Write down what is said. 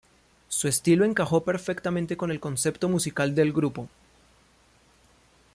Su estilo encajó perfectamente con el concepto musical del grupo.